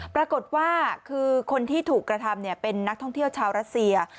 ปรากฏว่าคือคนที่ถูกกระทำเป็นนักท่องเที่ยวชาวรัสเซีย